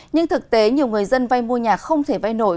nhưng thực tế nhiều người dân vay mua nhà không thể vay nổi